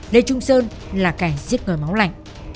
lê trung sơn là kẻ giết người máu lạnh